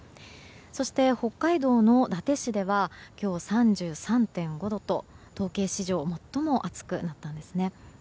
そして、北海道の伊達市では今日、３３．５度と統計史上最も暑くなったんですね。